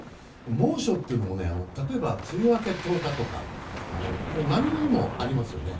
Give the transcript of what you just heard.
猛暑というのも例えば梅雨明け１０日とか波もありますよね。